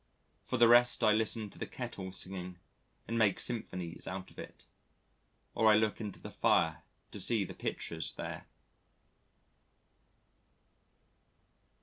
For the rest I listen to the kettle singing and make symphonies out of it, or I look into the fire to see the pictures there....